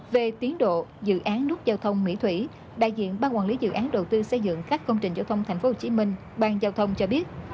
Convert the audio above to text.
về tiến độ dự án nút giao thông mỹ thủy đại diện ban quản lý dự án đồ tư xây dựng các công trình giao thông tphcm ban giao thông cho biết